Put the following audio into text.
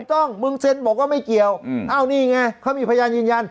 ต้องมึงเซ็นบอกว่าไม่เกี่ยวอ้าวนี่ไงเขามีพยานยืนยัน